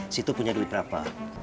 situ punya duit berapa